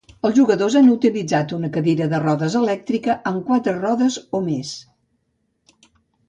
Els jugadors han d'utilitzar una cadira de rodes elèctrica amb quatre rodes o més.